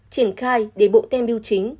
triển khai để bộ tem biêu chính